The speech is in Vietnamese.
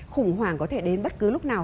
khủng hoảng có thể đến bất cứ lúc nào